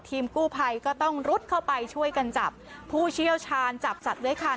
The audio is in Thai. ทีมกู้ภัยก็ต้องรุดเข้าไปช่วยกันจับผู้เชี่ยวชาญจับสัตว์ไว้คัน